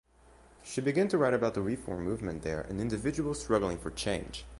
She began to write about the reform movement there and individuals struggling for change.